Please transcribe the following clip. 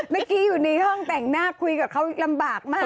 เมื่อกี้อยู่ในห้องแต่งหน้าคุยกับเขาลำบากมาก